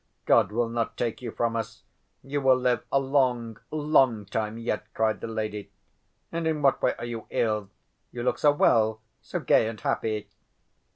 God will not take you from us. You will live a long, long time yet," cried the lady. "And in what way are you ill? You look so well, so gay and happy."